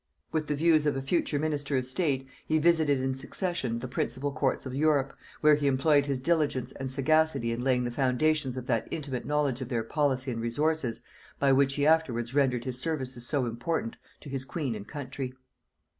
With the views of a future minister of state, he visited in succession the principal courts of Europe, where he employed his diligence and sagacity in laying the foundations of that intimate knowledge of their policy and resources by which he afterwards rendered his services so important to his queen and country.